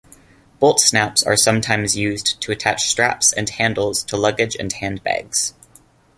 Bolt snaps are sometimes used to attach straps and handles to luggage and handbags.